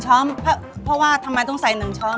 เพราะว่าทำไมต้องใส่๑ช้อม